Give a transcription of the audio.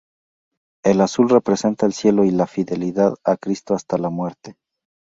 El azul representa el cielo y la fidelidad a Cristo hasta la muerte.